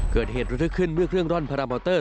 เกิดเหตุระทึกขึ้นเมื่อเครื่องร่อนพารามอเตอร์